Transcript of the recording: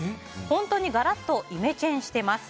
本当にがらっとイメチェンしてます。